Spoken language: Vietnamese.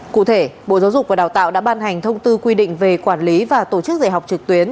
cụ thể bộ giáo dục và đào tạo đã ban hành thông tư quy định về quản lý và tổ chức dạy học trực tuyến